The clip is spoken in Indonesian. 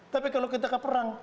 tapi kalau kita ke perang